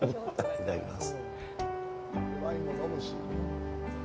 いただきます。